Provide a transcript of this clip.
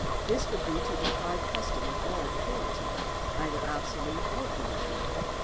This would be to de prive custom of all authority, either absolute or conditional.